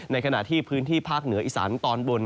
ขณะที่พื้นที่ภาคเหนืออีสานตอนบน